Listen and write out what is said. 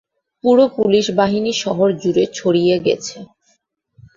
পুরো পুলিশ বাহিনী শহরে জুরে ছড়িয়ে গেছে।